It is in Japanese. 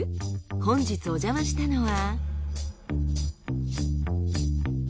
本日おじゃましたのは。